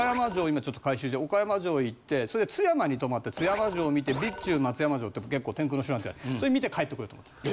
今ちょっと改修してる岡山城行ってそれで津山に泊まって津山城見て備中松山城結構天空の城なんですけどそれ見て帰って来ようと思うんですよ。